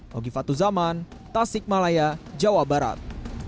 hogi fatu zaman tasik malaya jawa barat